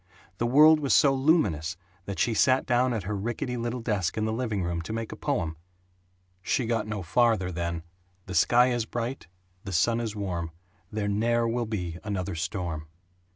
The world was so luminous that she sat down at her rickety little desk in the living room to make a poem. (She got no farther than "The sky is bright, the sun is warm, there ne'er will be another storm.")